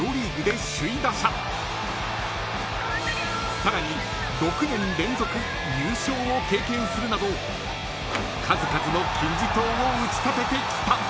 ［さらに６年連続優勝を経験するなど数々の金字塔を打ち立ててきた］